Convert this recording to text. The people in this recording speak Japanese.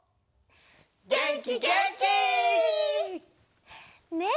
げんきげんき！ねえ